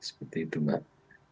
seperti itu mbak